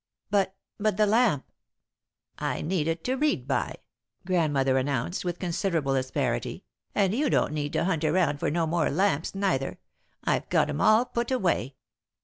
"But but the lamp?" "I need it to read by," Grandmother announced, with considerable asperity, "and you don't need to hunt around for no more lamps, neither. I've got 'em all put away."